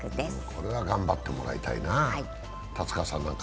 これは頑張ってもらいたいな。